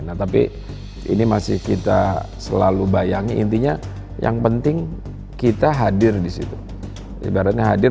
nah tapi ini masih kita selalu bayangi intinya yang penting kita hadir di situ ibaratnya hadir